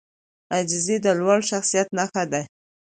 عاجزي د لوړ شخصیت نښه ده.